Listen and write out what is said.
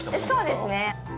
そうですね。